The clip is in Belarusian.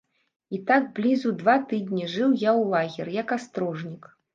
І так блізу два тыдні жыў я ў лагеры, як астрожнік.